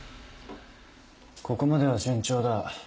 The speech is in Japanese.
ここまでは順調だ。